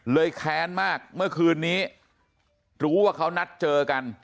แค้นมากเมื่อคืนนี้รู้ว่าเขานัดเจอกัน